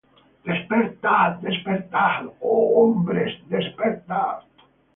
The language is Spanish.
Awake, awake, Oh men, awake!